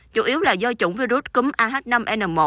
chủ yếu là do chủng virus cúm ah năm n một